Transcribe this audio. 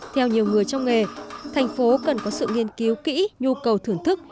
theo nhiều người trong nghề thành phố cần có sự nghiên cứu kỹ nhu cầu thưởng thức